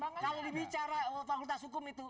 kalau dibicara fakultas hukum itu